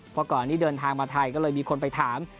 เพราะก่อนที่เดินทางมาไทยก็เลยมีคนไปถาม